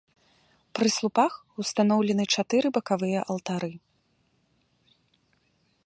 Пры слупах ўстаноўлены чатыры бакавых алтары.